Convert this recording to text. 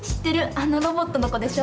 あのロボットの子でしょ？